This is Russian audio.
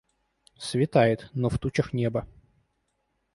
Светает, но в тучах небо.